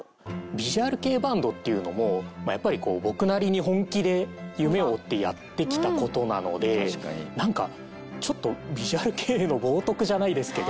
ヴィジュアル系バンドっていうのもやっぱり僕なりに本気で夢を追ってやってきた事なのでなんかちょっとヴィジュアル系への冒とくじゃないですけど。